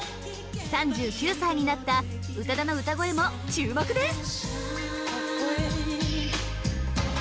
３９歳になった宇多田の歌声も注目です！